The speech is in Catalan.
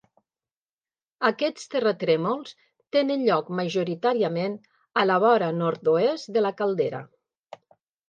Aquests terratrèmols tenen lloc majoritàriament a la vora nord-oest de la caldera.